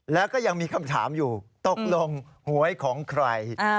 แล้วก็ยังมีคำถามอยู่ตกลงหวยของใคร